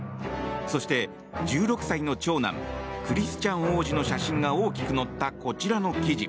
そして、１６歳の長男クリスチャン王子の写真が大きく載ったこちらの記事。